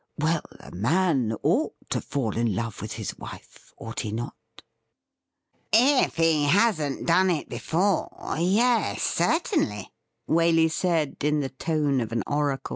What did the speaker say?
Well, a man ought to fall in love with his wife, ought he not .f" ' If he hasn't done it before, yes, cei tainly,' Waley said, in the tone of an oracle.